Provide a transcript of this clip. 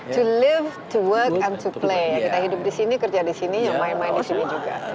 to lift to work and to play ya kita hidup di sini kerja di sini yang main main di sini juga